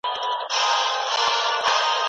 استاد د مقالې په لیکلو کي مستقیمه برخه نه اخلي.